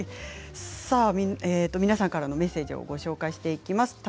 皆さんからのメッセージをご紹介していきます。